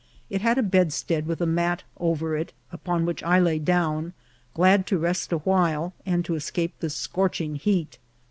It had a bedstead with a mat over it, upon which I lay down, glad to rest a while, and to escape the scorching heat.